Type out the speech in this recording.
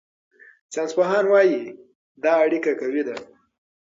ساینسپوهان وايي دا اړیکه قوي ده.